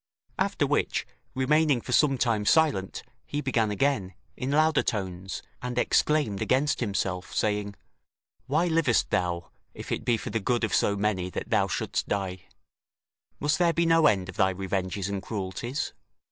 After which, remaining for some time silent, he began again, in louder tones, and exclaimed against himself, saying: "Why livest thou, if it be for the good of so many that thou shouldst die? must there be no end of thy revenges and cruelties?